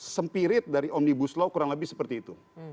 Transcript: sempirit dari omnibus law kurang lebih seperti ini